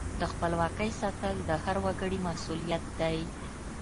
د خپلواکۍ ساتل د هر وګړي مسؤلیت دی.